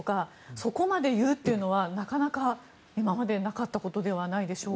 そこまで言うというのはなかなか今までなかったことではないでしょうか。